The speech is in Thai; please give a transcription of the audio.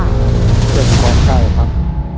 เก็บของใครครับ